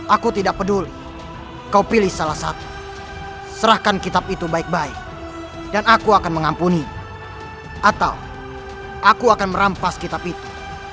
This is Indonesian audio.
aku tidak akan menyerahkan kitab itu pada manusia lisik sepertimu